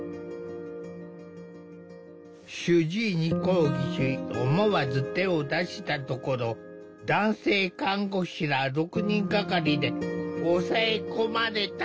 主治医に抗議し思わず手を出したところ男性看護師ら６人がかりで押さえ込まれた。